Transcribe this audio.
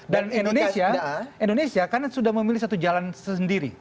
dan indonesia kan sudah memilih satu jalan sendiri